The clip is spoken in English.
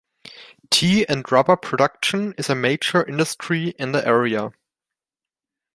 Tea and Rubber production is a major industry in the area.